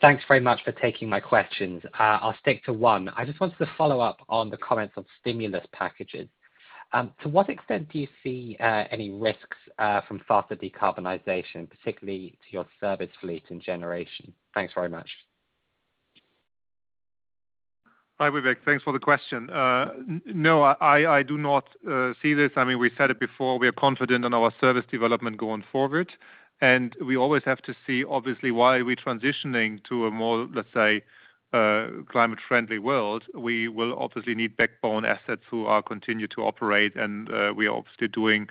Thanks very much for taking my questions. I'll stick to one. I just wanted to follow up on the comments on stimulus packages. To what extent do you see any risks from faster decarbonization, particularly to your service fleet and generation? Thanks very much. Hi, Vivek. Thanks for the question. No, I do not see this. We said it before, we are confident in our service development going forward. We always have to see, obviously, while we're transitioning to a more, let's say, climate-friendly world. We will obviously need backbone assets who continue to operate, and we are obviously doing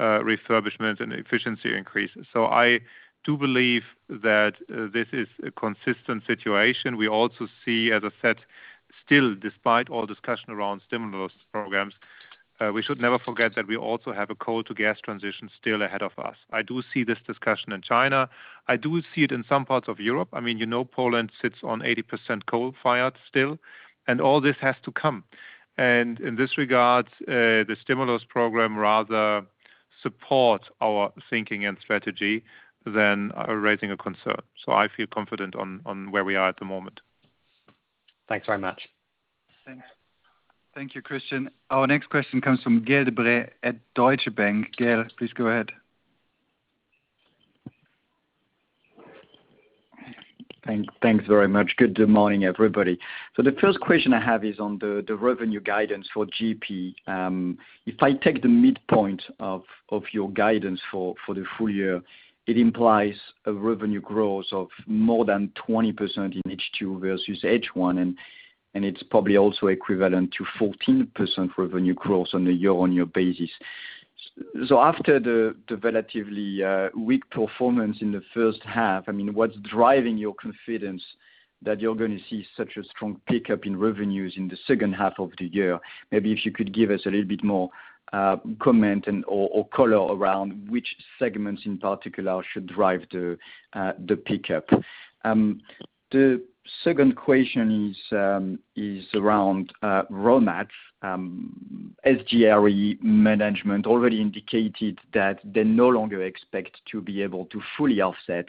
refurbishment and efficiency increases. I do believe that this is a consistent situation. We also see, as I said, still, despite all discussion around stimulus programs, we should never forget that we also have a coal to gas transition still ahead of us. I do see this discussion in China. I do see it in some parts of Europe. Poland sits on 80% coal-fired still, and all this has to come. In this regard, the stimulus program rather supports our thinking and strategy than raising a concern. I feel confident on where we are at the moment. Thanks very much. Thanks. Thank you, Christian. Our next question comes from Gael de-Bray at Deutsche Bank. Gael, please go ahead. Thanks very much. Good morning, everybody. The first question I have is on the revenue guidance for GP. If I take the midpoint of your guidance for the full year, it implies a revenue growth of more than 20% in H2 versus H1, and it's probably also equivalent to 14% revenue growth on a year-on-year basis. After the relatively weak performance in the first half, what's driving your confidence that you're going to see such a strong pickup in revenues in the second half of the year? Maybe if you could give us a little bit more comment or color around which segments in particular should drive the pickup. The second question is around raw mats. SGRE management already indicated that they no longer expect to be able to fully offset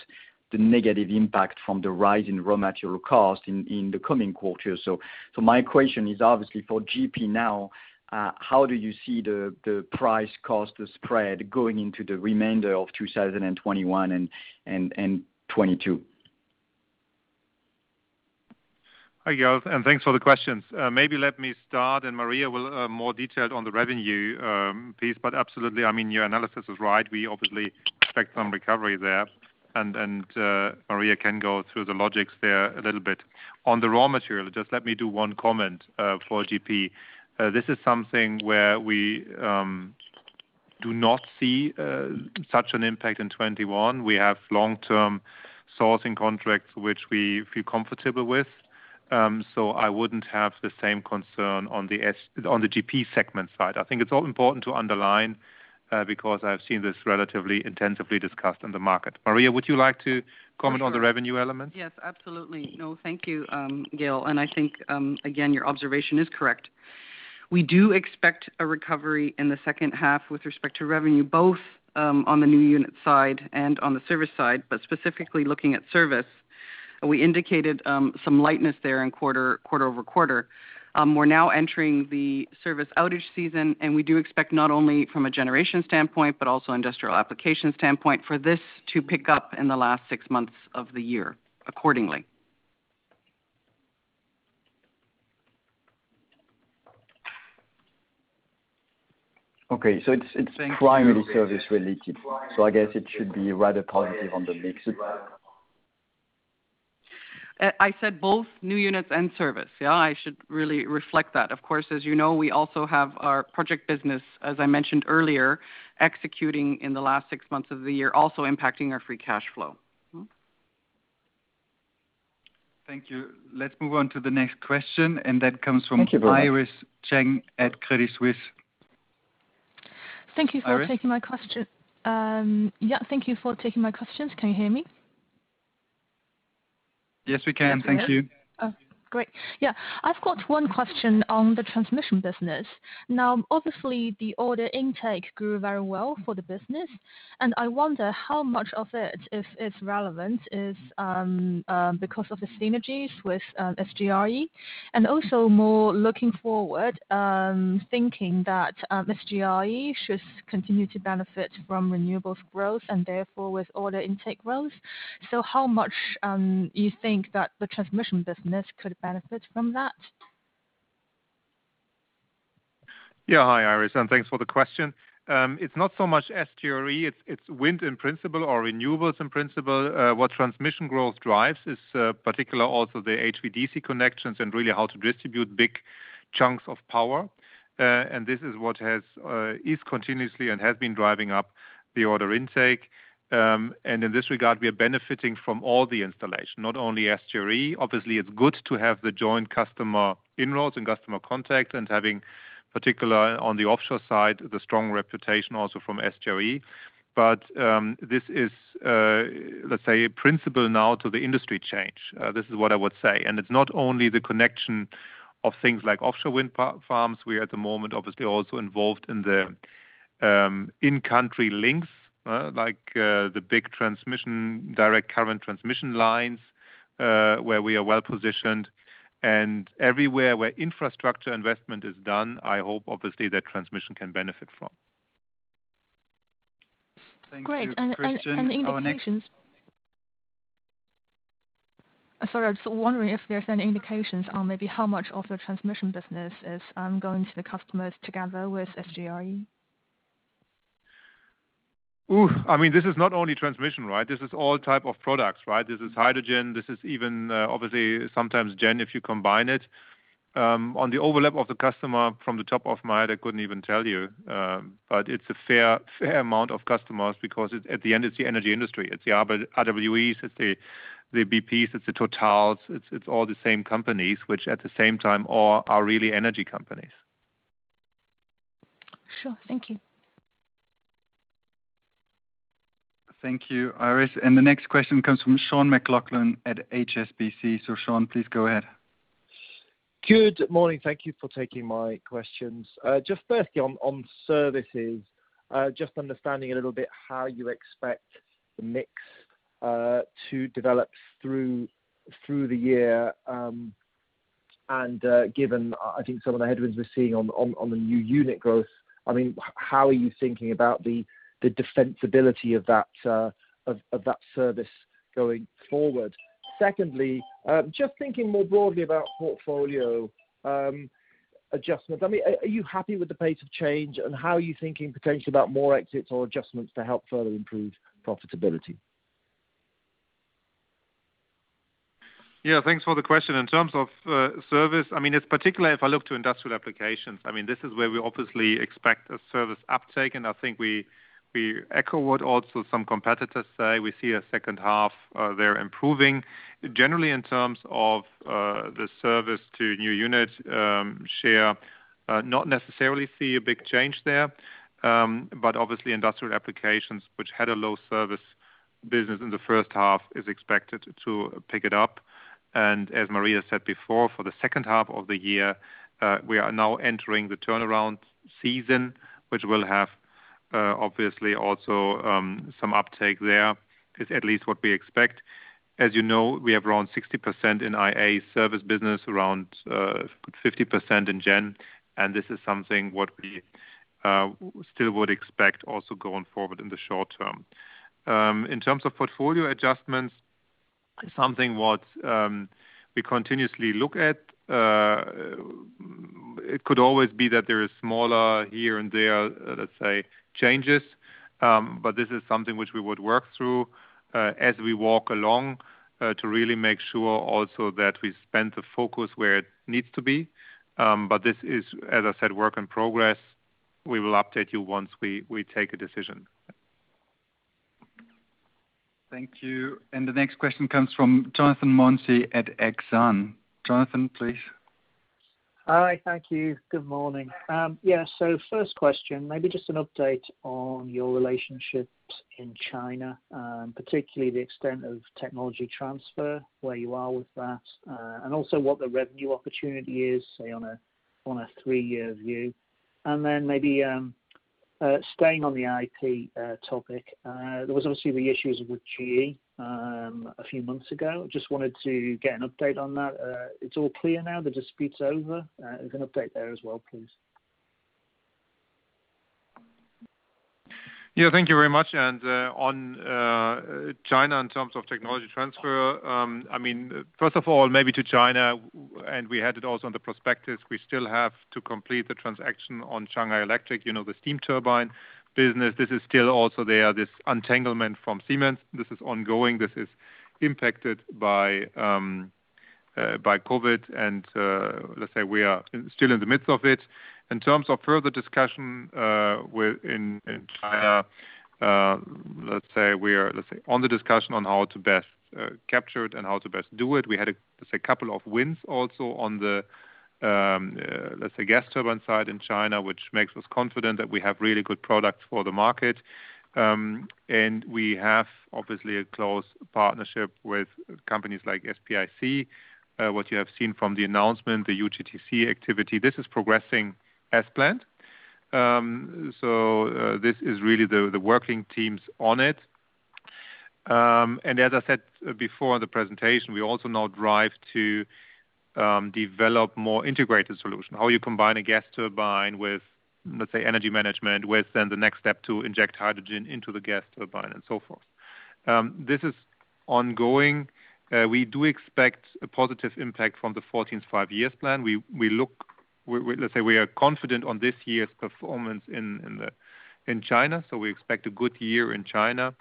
the negative impact from the rise in raw material cost in the coming quarters. My question is obviously for GP now, how do you see the price cost spread going into the remainder of 2021 and 2022? Hi, Gael. Thanks for the questions. Maybe let me start. Maria will more detailed on the revenue piece. Absolutely, your analysis is right. We obviously expect some recovery there. Maria can go through the logics there a little bit. On the raw material, just let me do one comment for GP. This is something where we do not see such an impact in 2021. We have long-term sourcing contracts which we feel comfortable with. I wouldn't have the same concern on the GP segment side. I think it's all important to underline, because I've seen this relatively intensively discussed on the market. Maria, would you like to comment on the revenue element? Yes, absolutely. No, thank you, Gael. I think, again, your observation is correct. We do expect a recovery in the second half with respect to revenue, both on the new unit side and on the service side, but specifically looking at service. We indicated some lightness there in quarter-over-quarter. We are now entering the service outage season. We do expect not only from a generation standpoint, but also industrial application standpoint for this to pick up in the last six months of the year accordingly. Okay, it's primarily service-related, so I guess it should be rather positive on the mix. I said both new units and service. Yeah, I should really reflect that. As you know, we also have our project business, as I mentioned earlier, executing in the last six months of the year, also impacting our free cash flow. Thank you. Let's move on to the next question. Thank you very much. Iris Zheng at Credit Suisse. Iris. Thank you for taking my questions. Can you hear me? Yes, we can. Thank you. Great. Yeah. I've got one question on the transmission business. Now, obviously, the order intake grew very well for the business, and I wonder how much of it, if it's relevant, is because of the synergies with SGRE. Also more looking forward, thinking that SGRE should continue to benefit from renewables growth and therefore with order intake growth. How much do you think that the transmission business could benefit from that? Yeah. Hi, Iris, and thanks for the question. It's not so much SGRE, it's wind in principle or renewables in principle. What transmission growth drives is particular also the HVDC connections and really how to distribute big chunks of power. This is what is continuously and has been driving up the order intake. In this regard, we are benefiting from all the installation, not only SGRE. Obviously, it's good to have the joint customer inroads and customer contact and having, particular on the offshore side, the strong reputation also from SGRE. This is, let's say, principle now to the industry change. This is what I would say. It's not only the connection of things like offshore wind farms. We, at the moment, obviously also involved in the in-country links, like the big direct current transmission lines, where we are well-positioned, and everywhere where infrastructure investment is done, I hope, obviously, that transmission can benefit from. Great. Thank you, Christian. I was wondering if there's any indications on maybe how much of the transmission business is going to the customers together with SGRE. Oof. This is not only transmission. This is all type of products. This is hydrogen, this is even, obviously, sometimes Gen, if you combine it. On the overlap of the customer from the top of my head, I couldn't even tell you. It's a fair amount of customers because at the end, it's the energy industry. It's the RWE, it's the BP, it's the TotalEnergies. It's all the same companies, which at the same time all are really energy companies. Sure. Thank you. Thank you, Iris. The next question comes from Sean McLoughlin at HSBC. Sean, please go ahead. Good morning. Thank you for taking my questions. Just firstly on services, just understanding a little bit how you expect the mix to develop through the year. Given, I think some of the headwinds we're seeing on the new unit growth, how are you thinking about the defensibility of that service going forward? Secondly, just thinking more broadly about portfolio adjustments. Are you happy with the pace of change, how are you thinking potentially about more exits or adjustments to help further improve profitability? Thanks for the question. In terms of service, it's particularly if I look to industrial applications, this is where we obviously expect a service uptake, and I think we echo what also some competitors say, we see a second half there improving. Generally, in terms of the service to new units share, not necessarily see a big change there. Obviously industrial applications, which had a low service business in the first half, is expected to pick it up. As Maria said before, for the second half of the year, we are now entering the turnaround season, which will have obviously also some uptake there, is at least what we expect. As you know, we have around 60% in IA service business, around 50% in Gen, and this is something what we still would expect also going forward in the short term. In terms of portfolio adjustments, something what we continuously look at. It could always be that there is smaller here and there, let's say, changes. This is something which we would work through, as we walk along, to really make sure also that we spend the focus where it needs to be. This is, as I said, work in progress. We will update you once we take a decision. Thank you. The next question comes from Jonathan Mounsey at Exane. Jonathan, please. Hi. Thank you. Good morning. First question, maybe just an update on your relationships in China, particularly the extent of technology transfer, where you are with that. Also what the revenue opportunity is, say on a three-year view. Then maybe staying on the IP topic. There was obviously the issues with GE a few months ago. Just wanted to get an update on that. It is all clear now? The dispute is over? An update there as well, please. Yeah, thank you very much. On China, in terms of technology transfer, first of all, maybe to China, we had it also on the prospectus, we still have to complete the transaction on Shanghai Electric, the steam turbine business. This is still also there, this untanglement from Siemens. This is ongoing. This is impacted by COVID and let's say we are still in the midst of it. In terms of further discussion in China, let's say we are on the discussion on how to best capture it and how to best do it. We had, let's say, a couple of wins also on the gas turbine side in China, which makes us confident that we have really good products for the market. We have, obviously, a close partnership with companies like SPIC. What you have seen from the announcement, the UGTC activity, this is progressing as planned. This is really the working teams on it. As I said before the presentation, we also now drive to develop more integrated solution. How you combine a gas turbine with, let's say, energy management, with then the next step to inject hydrogen into the gas turbine and so forth. This is ongoing. We do expect a positive impact from the 14th Five-Year Plan. We are confident on this year's performance in China, we expect a good year in China.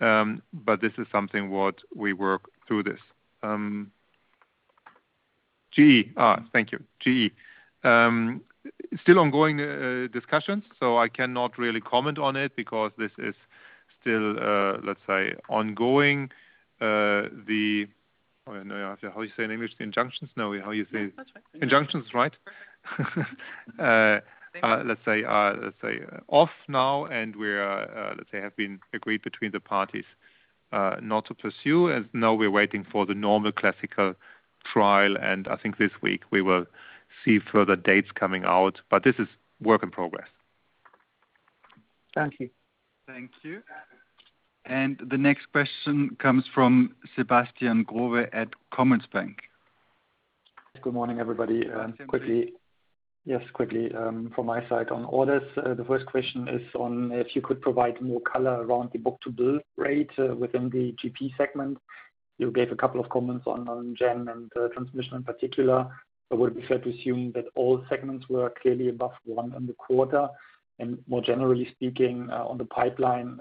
This is something what we work through this. GE. Thank you. GE. Still ongoing discussions, I cannot really comment on it because this is still ongoing. How you say in English, the injunctions? That's right. injunctions, right? Perfect. Let's say, off now, and where, let's say, have been agreed between the parties, not to pursue. Now we're waiting for the normal classical trial, and I think this week we will see further dates coming out, but this is work in progress. Thank you. Thank you. The next question comes from Sebastian Growe at Commerzbank. Good morning, everybody. Quickly from my side on orders. The first question is on if you could provide more color around the book-to-bill rate within the GP segment. You gave a couple of comments on Gen and transmission in particular. Would it be fair to assume that all segments were clearly above one in the quarter? More generally speaking, on the pipeline,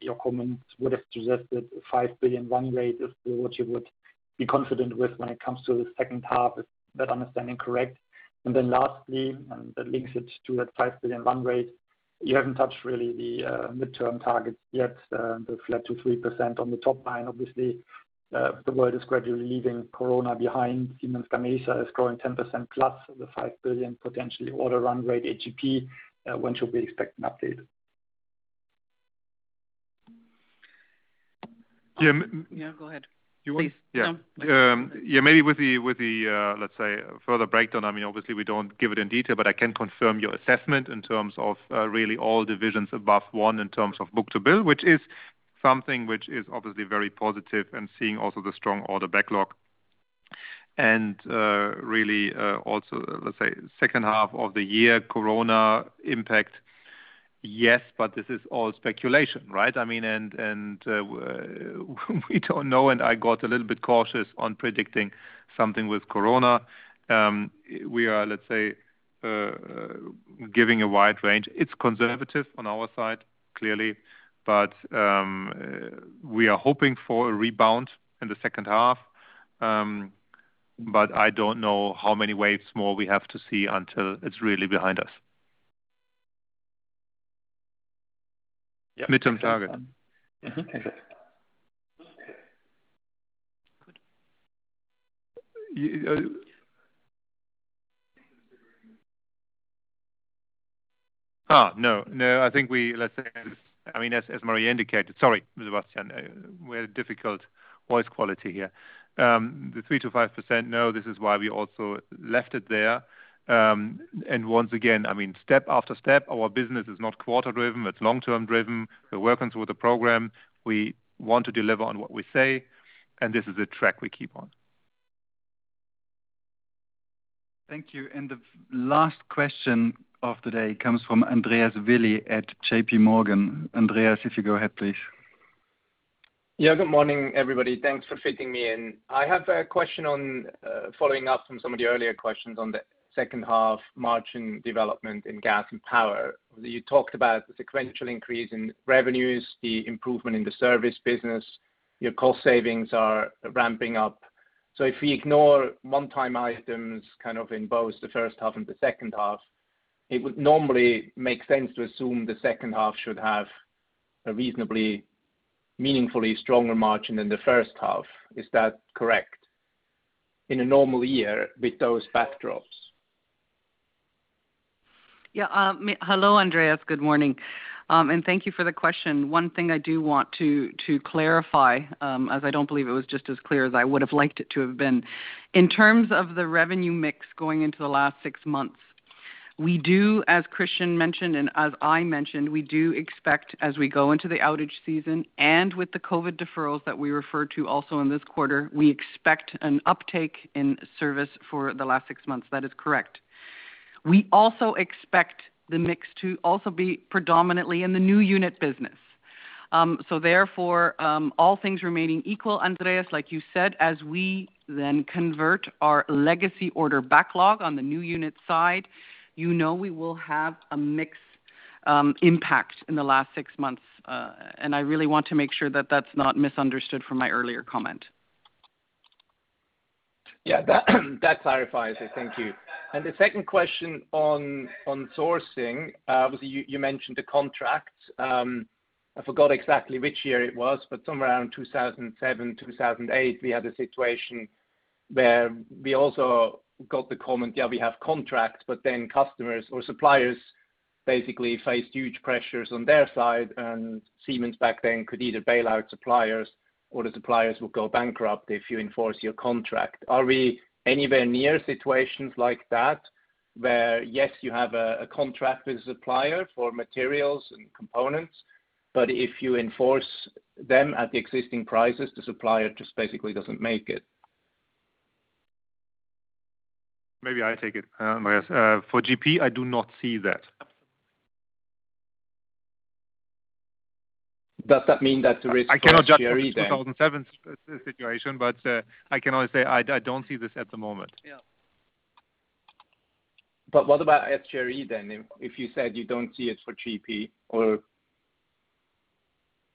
your comments would have suggested 5 billion run rate is what you would be confident with when it comes to the second half. Is that understanding correct? Lastly, and that links it to that 5 billion run rate, you haven't touched really the midterm targets yet, the flat to 3% on the top line. Obviously, the world is gradually leaving corona behind. Siemens Gamesa is growing 10%+ the 5 billion potentially order run rate at GP. When should we expect an update? Yeah, go ahead. Please. No. Yeah. Maybe with the, let's say, further breakdown. Obviously, we don't give it in detail, but I can confirm your assessment in terms of really all divisions above one in terms of book-to-bill, which is something which is obviously very positive and seeing also the strong order backlog. Really, also, let's say second half of the year Corona impact, yes, but this is all speculation, right? We don't know, and I got a little bit cautious on predicting something with Corona. We are, let's say, giving a wide range. It's conservative on our side, clearly, but we are hoping for a rebound in the second half. I don't know how many waves more we have to see until it's really behind us. Midterm target. Okay, good. No. I think we, let's say, as Maria indicated. Sorry, Sebastian. We have difficult voice quality here. The 3%-5%, no, this is why we also left it there. Once again, step after step, our business is not quarter-driven, it's long-term driven. We're working through the program. We want to deliver on what we say, and this is the track we keep on. Thank you. The last question of the day comes from Andreas Willi at JPMorgan. Andreas, if you go ahead, please. Good morning, everybody. Thanks for fitting me in. I have a question on following up from some of the earlier questions on the second half margin development in Gas and Power. You talked about the sequential increase in revenues, the improvement in the service business. Your cost savings are ramping up. If we ignore one-time items, kind of in both the first half and the second half, it would normally make sense to assume the second half should have a reasonably meaningfully stronger margin than the first half. Is that correct in a normal year with those backdrops? Yeah. Hello, Andreas. Good morning. Thank you for the question. One thing I do want to clarify, as I don't believe it was just as clear as I would have liked it to have been. In terms of the revenue mix going into the last six months, we do, as Christian mentioned, and as I mentioned, we do expect as we go into the outage season and with the COVID deferrals that we referred to also in this quarter, we expect an uptake in service for the last six months. That is correct. We also expect the mix to also be predominantly in the new unit business. Therefore, all things remaining equal, Andreas, like you said, as we then convert our legacy order backlog on the new unit side, you know we will have a mixed impact in the last six months. I really want to make sure that that's not misunderstood from my earlier comment. Yeah. That clarifies it. Thank you. The second question on sourcing, obviously, you mentioned the contracts. I forgot exactly which year it was, but somewhere around 2007, 2008, we had a situation where we also got the comment, yeah, we have contracts, but then customers or suppliers basically faced huge pressures on their side, and Siemens back then could either bail out suppliers or the suppliers would go bankrupt if you enforce your contract. Are we anywhere near situations like that, where, yes, you have a contract with the supplier for materials and components, but if you enforce them at the existing prices, the supplier just basically doesn't make it? Maybe I take it, Andreas. For GP, I do not see that. Does that mean that the risk for SGRE then? I cannot judge the 2007 situation, but I can only say I don't see this at the moment. Yeah. What about SGRE then, if you said you don't see it for GP or?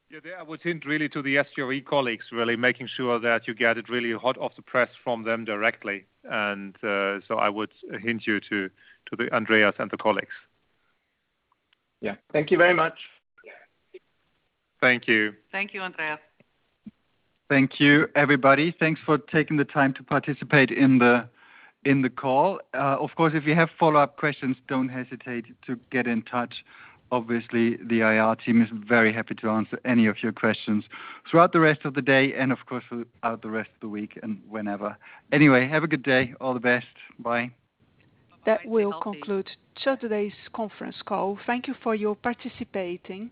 Yeah, there I would hint really to the SGRE colleagues, really making sure that you get it really hot off the press from them directly. I would hint you to Andreas and the colleagues. Yeah. Thank you very much. Thank you. Thank you, Andreas. Thank you, everybody. Thanks for taking the time to participate in the call. Of course, if you have follow-up questions, don't hesitate to get in touch. Obviously, the IR team is very happy to answer any of your questions throughout the rest of the day and, of course, throughout the rest of the week and whenever. Anyway, have a good day. All the best. Bye. That will conclude today's conference call. Thank you for your participating.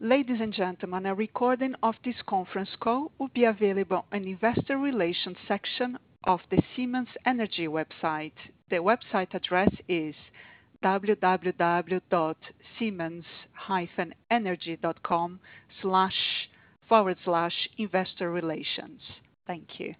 Ladies and gentlemen, a recording of this conference call will be available in investor relations section of the Siemens Energy website. The website address is www.siemens-energy.com/investorrelations. Thank you.